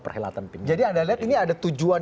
perhelatan pin jadi anda lihat ini ada tujuan